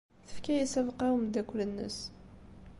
Tefka-as abeqqa i umeddakel-nnes.